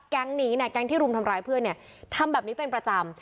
แก๊งนี้เนี่ยแก๊งที่รุมทำร้ายเพื่อนเนี่ยทำแบบนี้เป็นประจำ